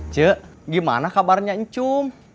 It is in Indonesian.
cek gimana kabarnya ncum